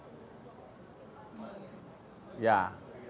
ya komunikasi masih terus kami bangun belum putus